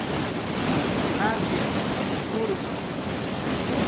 "Akishk"" nurma "